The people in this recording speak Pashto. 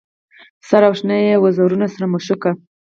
سره او شنه یې وزرونه سره مشوکه